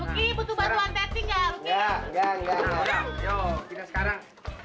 ruki ngomong bentar kan